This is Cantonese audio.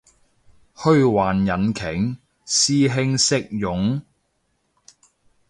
虛幻引擎？師兄識用？